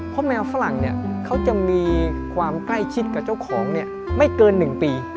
เพราะแมวฝรั่งเขาจะมีความใกล้ชิดกับเจ้าของไม่เกิน๑ปี